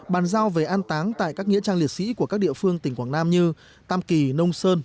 bàn giao về an táng tại các nghĩa trang liệt sĩ của các địa phương tỉnh quảng nam như tam kỳ nông sơn